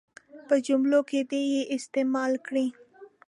په جملو کې دې یې استعمال کړي.